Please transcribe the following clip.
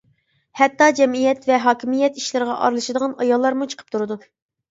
ھەتتا جەمئىيەت ۋە ھاكىمىيەت ئىشلىرىغا ئارىلىشىدىغان ئاياللارمۇ چىقىپ تۇرىدۇ.